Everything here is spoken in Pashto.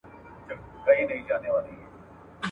موږ د پوهې په ارزښت پوهېږو.